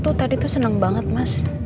aku tuh tadi tuh seneng banget mas